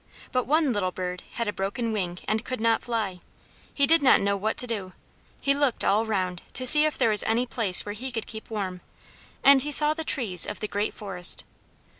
But one little bird had a broken wing and could not fly. He did not know what to do. He looked all round, to see if there was any place where he could keep warm. And he saw the trees of the great forest.